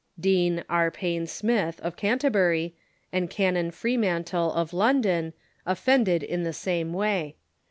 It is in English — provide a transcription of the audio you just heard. Dean R. Payne Smith, of Canterbury, and Canon Freemantle, of London, offended in the same way.